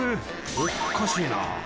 おかしいな」